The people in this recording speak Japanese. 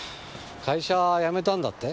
会社辞めたんだって？